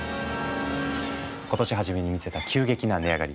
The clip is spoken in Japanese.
今年初めに見せた急激な値上がり。